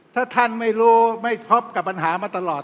ถ้าท่านไม่รู้ไม่ท็อปกับปัญหามาตลอด